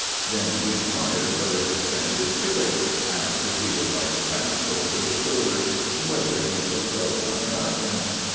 Then he inquires whether his friend is chilly, asks if he would like a wrap put over his shoulders, and whether he shall throw one about him.